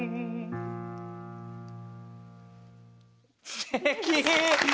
すてき！